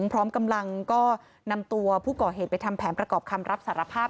พร้อมกำลังก็นำตัวผู้ก่อเหตุไปทำแผนประกอบคำรับสารภาพ